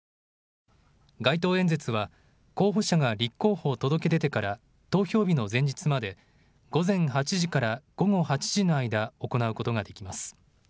街頭演説は候補者が立候補を届け出てから投票日の前日まで午前８時から午後８時の間、行うことができます。